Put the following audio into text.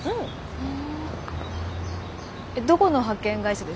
うん。